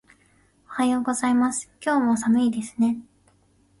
おはようございます。今日も寒いですね。